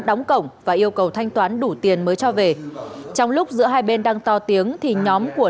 đóng cổng và yêu cầu thanh toán đủ tiền mới cho về trong lúc giữa hai bên đang to tiếng thì nhóm của